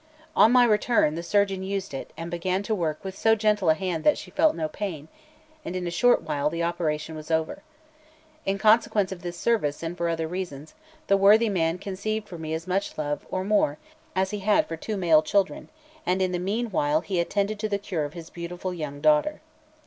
On my return, the surgeon used it, and began to work with so gentle a hand that she felt no pain, and in a short while the operation was over. In consequence of this service, and for other reasons, the worthy man conceived for me as much love, or more, as he had for two male children; and in the meanwhile he attended to the cure of his beautiful young daughter.